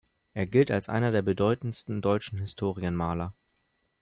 Er gilt als einer der bedeutendsten deutschen Historienmaler.